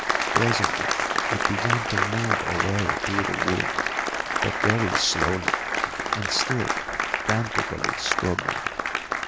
Presently it began to move away through the wood, but very slowly and still frantically struggling.